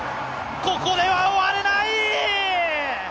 ここでは終われない！